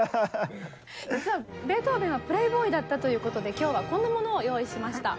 実はベートーベンはプレーボーイだったということで今日はこんなものを用意しました。